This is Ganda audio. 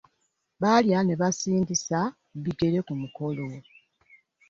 Baalya ne basindiisa bigere ku mukolo.